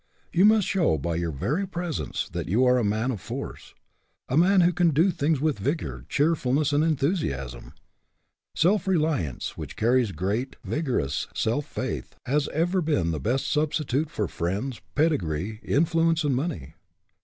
You must show by your very presence that you are a 8 HE CAN WHO THINKS HE CAN man of force, a man who can do things with vigor, cheerfulness, and enthusiasm. Self reliance which carries great, vigorous self faith has ever been the best substitute for friends, pedigree, influence, and money.